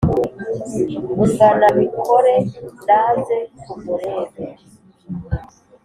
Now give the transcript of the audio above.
ungana mikore naze tumurebe